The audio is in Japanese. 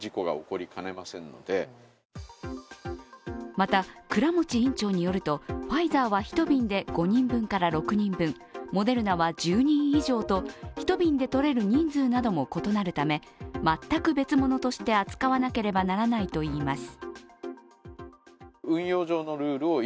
また倉持院長によるとファイザーは１瓶で５人分から６人分モデルナは１０人以上と１瓶でとれる人数なども異なるため全く別物として扱わなければならないといいます。